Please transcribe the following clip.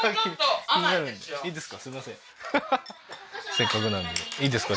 せっかくなんでいいですか？